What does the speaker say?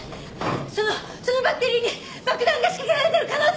そのそのバッテリーに爆弾が仕掛けられてる可能性がある！